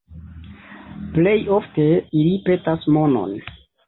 Plej ofte ili petas monon.